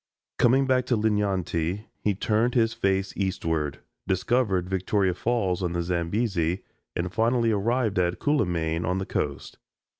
Coming back to Linyanti, he turned his face eastward, discovered Victoria Falls on the Zambesi, and finally arrived at Cuilimane on the coast.